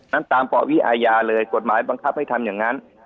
ตามปวิอาญาเลยกฎหมายบังคับให้ทำอย่างนั้น